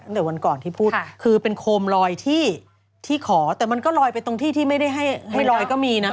ตั้งแต่วันก่อนที่พูดคือเป็นโคมลอยที่ขอแต่มันก็ลอยไปตรงที่ที่ไม่ได้ให้ลอยก็มีนะ